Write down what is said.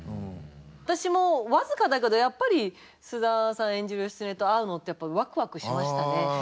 私も僅かだけどやっぱり菅田さん演じる義経と会うのってやっぱワクワクしましたね。